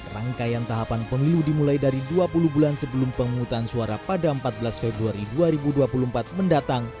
rangkaian tahapan pemilu dimulai dari dua puluh bulan sebelum pemungutan suara pada empat belas februari dua ribu dua puluh empat mendatang